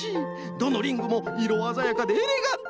どのリングもいろあざやかでエレガント。